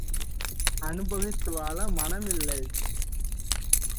அனுபவித்து வாழ மனமில்லை!